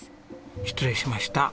失礼しました。